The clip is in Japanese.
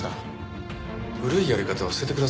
古いやり方は捨ててください。